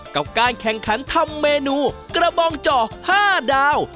กับการแข่งขันทำเมนูกระบองเจาะ๕ดาว